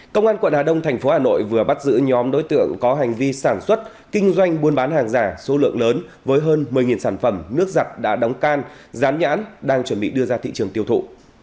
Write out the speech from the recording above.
công an quận hà đông thành phố hà nội vừa bắt giữ nhóm đối tượng có hành vi sản xuất kinh doanh buôn bán hàng giả số lượng lớn với hơn một mươi sản phẩm nước giặt đã đóng can rán nhãn đang chuẩn bị đưa ra thị trường tiêu thụ